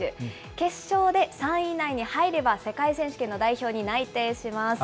決勝で３位以内に入れば、世界選手権の代表に内定します。